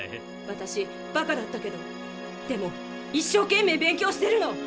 私バカだったけどでも一生懸命勉強してるの！